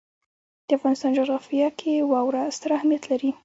د افغانستان جغرافیه کې واوره ستر اهمیت لري.